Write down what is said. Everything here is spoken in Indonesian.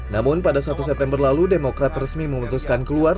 namun pada satu september lalu demokrat resmi memutuskan keluar